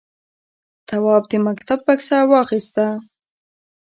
تواب د مکتب بکسه واخیسته.